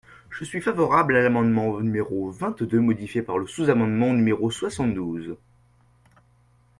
Je suis favorable à l’amendement numéro vingt-deux modifié par le sous-amendement numérosoixante-douze.